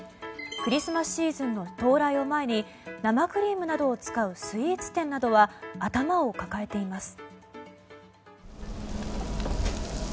クリスマスシーズンの到来を前に生クリームなどを使うスイーツ店などは頭を抱えています。